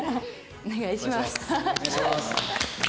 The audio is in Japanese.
お願いします。